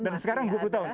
dan sekarang dua puluh tahun